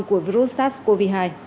của virus sars cov hai